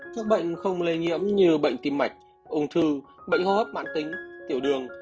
các bệnh không lây nhiễm như bệnh tim mạch ung thư bệnh hô hấp mạng tính tiểu đường